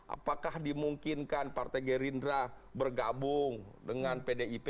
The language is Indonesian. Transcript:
apakah dimungkinkan partai gerindra bergabung dengan pdip